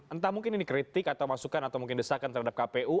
entah mungkin ini kritik atau masukan atau mungkin desakan terhadap kpu